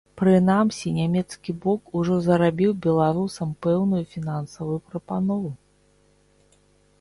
Прынамсі, нямецкі бок ужо зрабіў беларусам пэўную фінансавую прапанову.